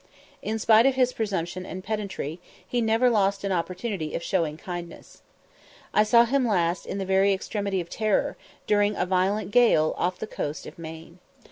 In spite of his presumption and pedantry, he never lost an opportunity of showing kindness. I saw him last in the very extremity of terror, during a violent gale off the coast of Maine.